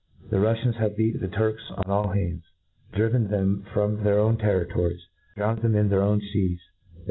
The Ruffians have beat the Turks on all hands r — rdriven them froni their own territories drowned them in their own feas — r and.